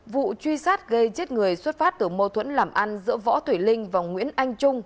vụ truy sát gây chết người xuất phát từ mâu thuẫn làm ăn giữa võ thủy linh và nguyễn anh trung